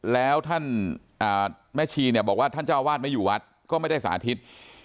แล้วท่านแม่ชีเนี่ยบอกว่าท่านเจ้าวาดไม่อยู่วัดก็ไม่ได้สาธิต